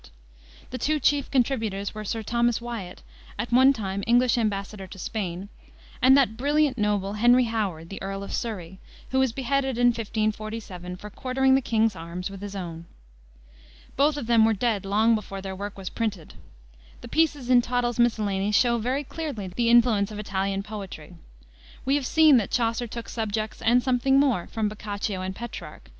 The two chief contributors were Sir Thomas Wiat, at one time English embassador to Spain, and that brilliant noble, Henry Howard, the Earl of Surrey, who was beheaded in 1547 for quartering the king's arms with his own. Both of them were dead long before their work was printed. The pieces in Tottel's Miscellany show very clearly the influence of Italian poetry. We have seen that Chaucer took subjects and something more from Boccaccio and Petrarch.